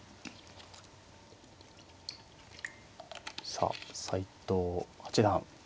さあ斎藤八段